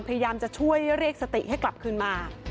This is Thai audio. พยายามจะช่วยเรียกสติให้กลับคืนมา